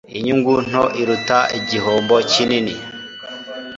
Inyungu nto iruta igihombo kinini